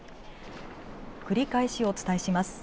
繰り返しお伝えします。